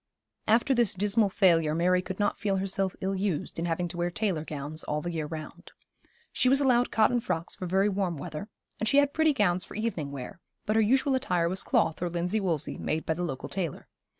After this dismal failure Mary could not feel herself ill used in having to wear tailor gowns all the year round. She was allowed cotton frocks for very warm weather, and she had pretty gowns for evening wear; but her usual attire was cloth or linsey woolsey, made by the local tailor.